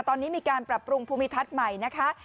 ตอนนี้มีการปรับปรุงภูมิทัศน์ใหม่นะคะ